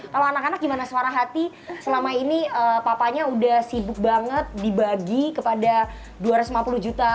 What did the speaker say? kalau anak anak gimana suara hati selama ini papanya udah sibuk banget dibagi kepada dua ratus lima puluh juta